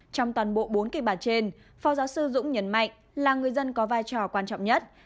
trong toàn bộ bốn kỳ bản trên phó giáo sư dũng nhấn mạnh là người dân có vai trò quan trọng nhất